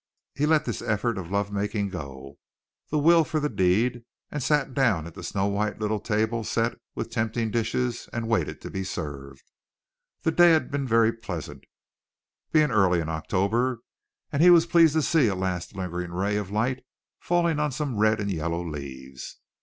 He let this effort at love making go the will for the deed, and sat down at the snow white little table, set with tempting dishes and waited to be served. The day had been very pleasant, being early in October, and he was pleased to see a last lingering ray of light falling on some red and yellow leaves.